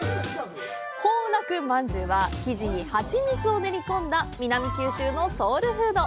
蜂楽饅頭は生地に蜂蜜を練り込んだ南九州のソウルフード。